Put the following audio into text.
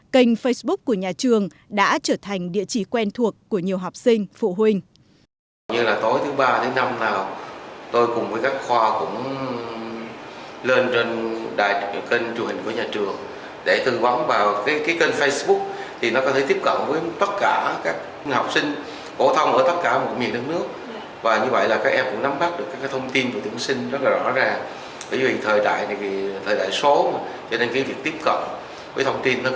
kênh facebook của nhà trường đã trở thành địa chỉ quen thuộc của nhiều học sinh phụ huynh